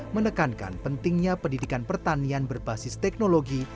menekankan pentingnya pendidikan pertanian berbasis teknologi